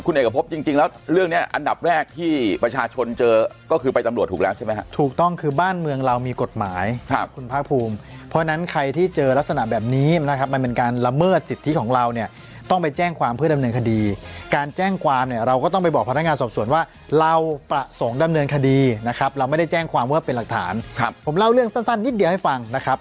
คุณเอกพบจริงแล้วเรื่องเนี้ยอันดับแรกที่ประชาชนเจอก็คือไปตำรวจถูกแล้วใช่ไหมครับถูกต้องคือบ้านเมืองเรามีกฎหมายครับคุณพระพูมเพราะฉะนั้นใครที่เจอลักษณะแบบนี้นะครับมันเป็นการละเมิดสิทธิของเราเนี่ยต้องไปแจ้งความเพื่อดำเนินคดีการแจ้งความเนี่ยเราก็ต้องไปบอกพนักงานสอบสวนว่าเรา